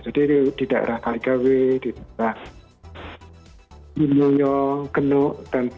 jadi di daerah kaligawe di daerah inunyo genuk dan begitu